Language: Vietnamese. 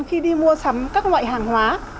khi đi mua sắm các loại hàng hóa